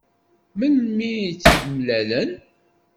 Melmi i tt-id-mlalen?